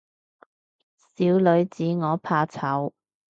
小女子我怕醜